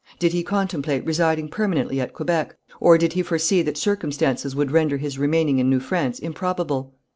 Did he contemplate residing permanently at Quebec, or did he foresee that circumstances would render his remaining in New France improbable?